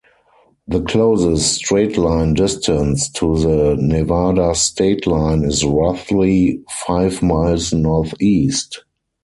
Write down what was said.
The closest straight-line distance to the Nevada state line is roughly five miles northeast.